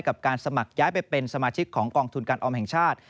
กับการสมัครย้ายไปเป็นสมาชิกของกองทุนการออมแห่งชาติ